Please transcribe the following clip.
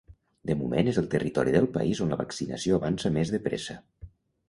De moment, és el territori del país on la vaccinació avança més de pressa.